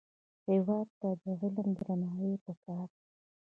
هېواد ته د علم درناوی پکار دی